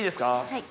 はい。